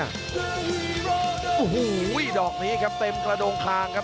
โอ้โหดอกนี้ครับเต็มกระโดงคางครับ